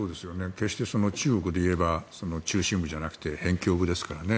決して中国でいえば中心部じゃなくて辺境部ですからね。